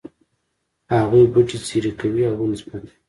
هغوی بوټي څیري کوي او ونې ماتوي